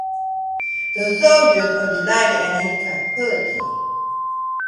The soldiers are delighted at his tranquility.